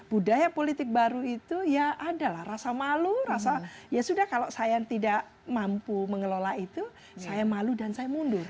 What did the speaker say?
budaya politik baru itu ya adalah rasa malu rasa ya sudah kalau saya tidak mampu mengelola itu saya malu dan saya mundur